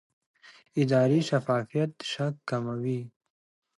اداري شفافیت شک کموي